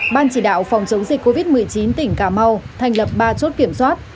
ban chỉ đạo phòng chống dịch covid một mươi chín tỉnh cà mau thành lập ba chốt kiểm soát